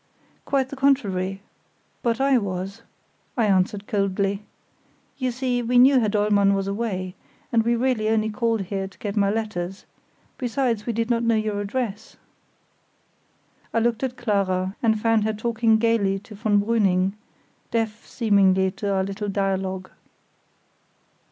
"Quite the contrary; but I was," I answered coldly; "you see, we knew Herr Dollmann was away, and we really only called here to get my letters; besides, we did not know your address." I looked at Clara and found her talking gaily to von Brüning, deaf seemingly to our little dialogue.